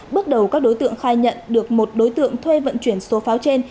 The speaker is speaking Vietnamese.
bước đầu các đối tượng khai nhận được một đối tượng thuê vận chuyển số pháo trên